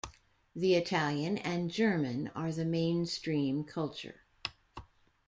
The Italian and German are the mainstream culture.